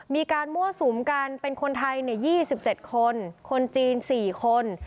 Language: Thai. มีการมั่วสูมกันเป็นคนไทยเนี่ยยี่สิบเจ็ดคนคนจีนสี่คน